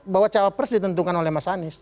bahwa cawapres ditentukan oleh mas anies